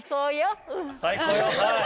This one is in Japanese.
最高よ。